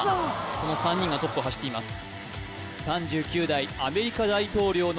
この３人がトップを走っています